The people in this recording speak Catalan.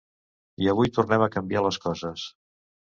I avui tornem a canviar les coses.